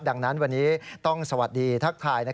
ดังนั้นวันนี้ต้องสวัสดีทักทาย